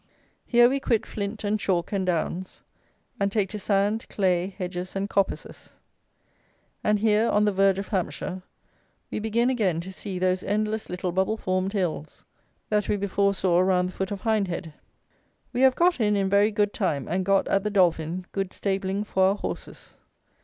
Here we quit flint and chalk and downs, and take to sand, clay, hedges, and coppices; and here, on the verge of Hampshire, we begin again to see those endless little bubble formed hills that we before saw round the foot of Hindhead. We have got in in very good time, and got, at the Dolphin, good stabling for our horses.